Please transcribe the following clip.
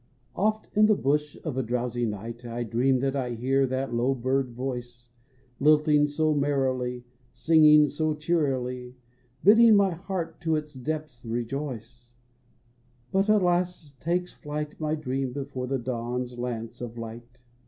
Oft in the hush of a drowsy night I dream that I hear that low bird voice Lilting so merrily, Singing so cheerily, Bidding my heart to its depths rejoice; But alas, takes flight My dream before the dawn's lance of light.